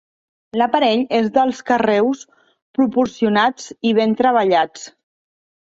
L'aparell és de carreus proporcionats i ben treballats.